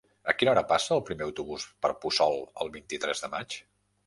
A quina hora passa el primer autobús per Puçol el vint-i-tres de maig?